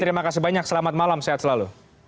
terima kasih banyak selamat malam sehat selalu